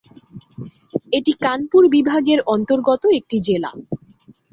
এটি কানপুর বিভাগের অন্তর্গত একটি জেলা।